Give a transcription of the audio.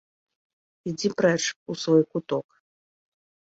Ідзі прэч, у свой куток!